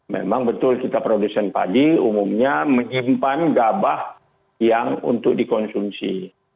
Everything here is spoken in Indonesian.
memang betul kita produsen padi umumnya menyimpan gabah yang untuk dikonsumsi